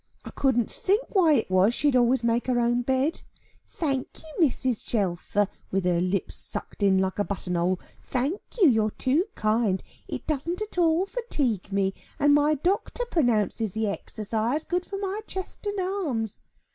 I couldn't think why it was she would always make her own bed. 'Thank you, Mrs. Shelfer' with her lips sucked in like a button hole 'thank you, you are too kind. It doesn't at all fatigue me, and my doctor pronounces the exercise good for my chest and arms.